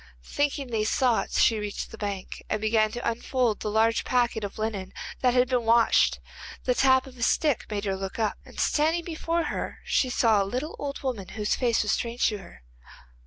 Thinking these thoughts she reached the bank, and began to unfold the large packet of linen that had to be washed. The tap of a stick made her look up, and standing before her she saw a little old woman, whose face was strange to her.